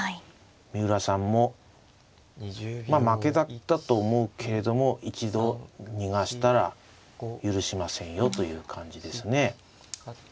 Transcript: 三浦さんもまあ負けだったと思うけれども一度逃がしたら許しませんよという感じですね。